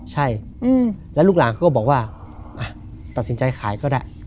ใช่แล้วลูกหลานเขาก็บอกว่าตัดสินใจขายก็ได้